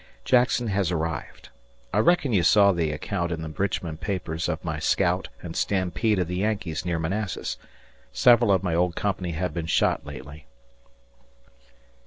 Jackson has arrived. I reckon you saw the account in the Richmond papers of my scout and stampede of the Yankees near Manassas. ... Several of my old company have been shot lately.